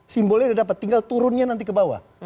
simbolnya udah dapat tinggal turunnya nanti kebawah